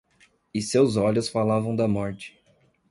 E seus olhos falavam da morte.